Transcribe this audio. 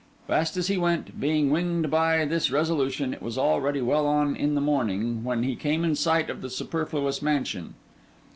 Fast as he went, being winged by this resolution, it was already well on in the morning when he came in sight of the Superfluous Mansion.